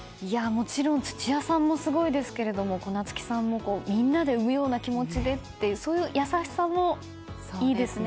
もちろん土屋さんもすごいですけれども夏木さんもみんなで生むような気持ちでというそういう優しさもいいですね。